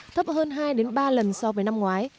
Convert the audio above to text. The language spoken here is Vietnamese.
thấp hơn hai ba lần so với năm ngoái